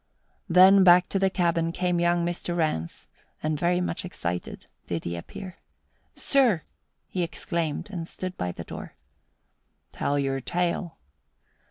Then back to the cabin came young Mr. Rance and very much excited did he appear. "Sir," he exclaimed, and stood in the door. "Tell your tale."